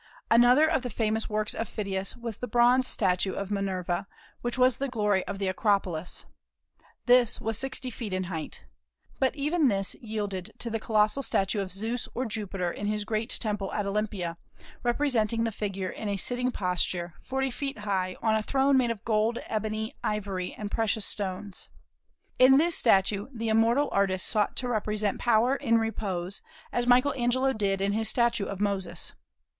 Another of the famous works of Phidias was the bronze statue of Minerva, which was the glory of the Acropolis, This was sixty feet in height. But even this yielded to the colossal statue of Zeus or Jupiter in his great temple at Olympia, representing the figure in a sitting posture, forty feet high, on a throne made of gold, ebony, ivory, and precious stones. In this statue the immortal artist sought to represent power in repose, as Michael Angelo did in his statue of Moses.